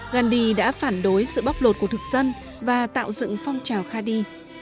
gandhi đã phản đối sự bóc lột của thực dân và tạo dựng phong trào khadhi